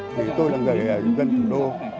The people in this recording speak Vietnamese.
thì tôi đang ở gần thủ đô